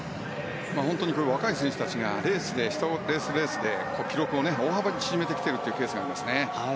若い選手たちがひとレースで記録を大幅に縮めてきているケースがありますね。